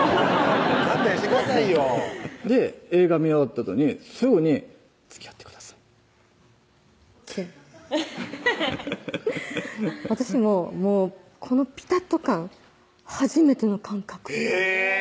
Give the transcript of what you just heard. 勘弁してくださいよで映画見終わったあとにすぐに「つきあってください」って私ももうこのピタっと感初めての感覚へぇ！